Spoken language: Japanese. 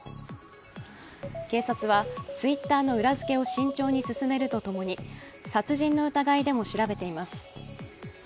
警察はＴｗｉｔｔｅｒの裏づけを慎重に進めると共に殺人の疑いでも調べています。